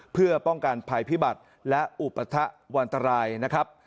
เพื่อป้องกันภัยพิบัติและอุปทะวันตรายนะครับ